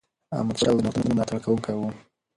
احمدشاه بابا د نوښتونو ملاتړ کوونکی و.